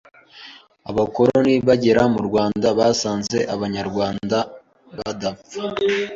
Abakoloni bagera mu Rwanda basanze Abanyarwanda badapfa